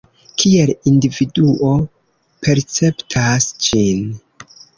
Kiel individuo perceptas ĝin?